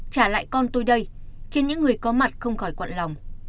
trả lại con tôi đây khiến những người có mặt không khỏi quặn lòng